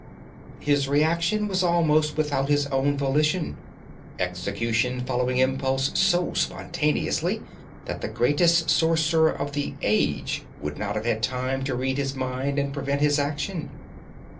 _' His reaction was almost without his own volition. Execution followed impulse so spontaneously that the greatest sorcerer of the age would not have had time to read his mind and prevent his action.